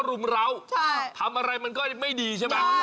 ถ้าเรื่องของเรื่องถ้าทำอะไรแล้วไม่ดีทำไม่ขึ้นแล้วก็